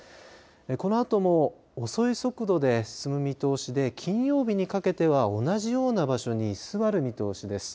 このあとも遅い速度で進む見通しで、金曜日にかけては同じような場所に居座る見通しです。